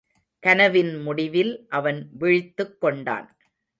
கனவின் முடிவில் அவன் விழித்துக் கொண்டான்.